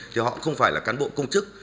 thì họ không phải là cán bộ công chức